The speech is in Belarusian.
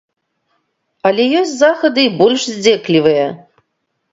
Але ёсць захады і больш здзеклівыя.